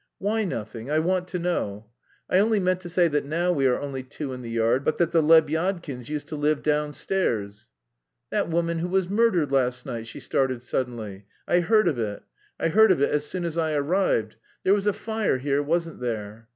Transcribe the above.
"Why nothing? I want to know." "I only meant to say that now we are only two in the yard, but that the Lebyadkins used to live downstairs...." "That woman who was murdered last night?" she started suddenly. "I heard of it. I heard of it as soon as I arrived. There was a fire here, wasn't there?"